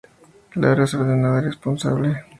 Laura es ordenada y responsable.